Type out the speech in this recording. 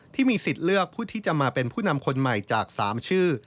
ที่มีสิทธิ์เลือกผู้ที่จะมาเป็นผู้นำคนใหม่จาก๓ชื่อ